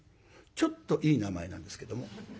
ちょっといい名前なんですけども。